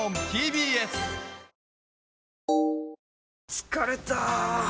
疲れた！